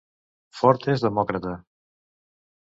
Ford és demòcrata.